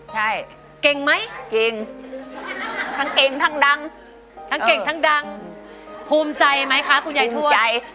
ใช่เก่งไหมเก่งทั้งเก่งทั้งดังทั้งเก่งทั้งดังภูมิใจไหมคะคุณยายถูกใจ